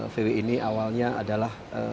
vw ini awalnya adalah